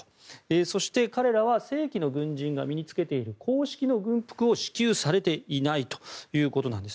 そして彼らは正規の軍人が身に着けている公式の軍服を支給されていないということなんです。